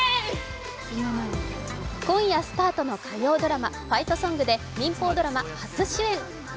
今夜スタートの火曜ドラマ「ファイトソング」で民放ドラマ初主演。